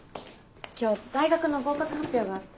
今日大学の合格発表があって。